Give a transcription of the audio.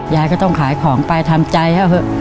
ยายก็ต้องขายของไปทำใจเขาเถอะ